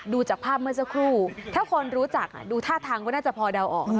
ดูจากภาพเมื่อสักครู่ถ้าคนรู้จักดูท่าทางก็น่าจะพอเดาออก